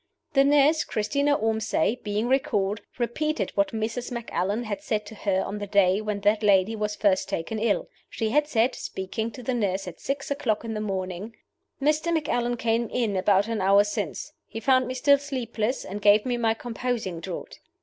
The nurse, Christina Ormsay, being recalled, repeated what Mrs. Macallan had said to her on the day when that lady was first taken ill. She had said (speaking to the nurse at six o'clock in the morning), "Mr. Macallan came in about an hour since; he found me still sleepless, and gave me my composing draught."